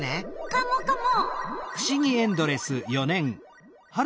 カモカモ。